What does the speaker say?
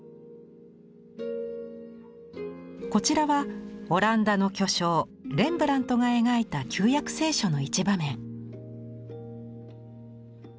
こちらはオランダの巨匠レンブラントが描いた「旧約聖書」の一場面。